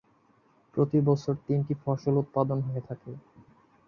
প্রতি বছর তিনটি ফসল উৎপাদন হয়ে থাকে।